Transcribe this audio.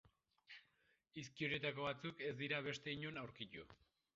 Hizki horietako batzuk ez dira beste inon aurkitu.